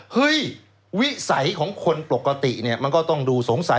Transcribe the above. เฮ้ยวิสัยของคนปกติเนี่ยมันก็ต้องดูสงสัย